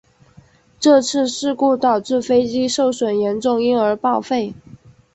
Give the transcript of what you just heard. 这次事故导致飞机受损严重因而报废。